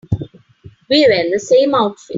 We were in the same outfit.